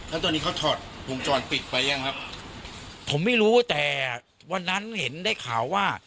แล้วตอนนี้เขาถอดวงจรปิดไปยังครับผมไม่รู้แต่วันนั้นเห็นได้ข่าวว่า